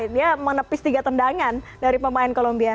dia menepis tiga tendangan dari pemain columbia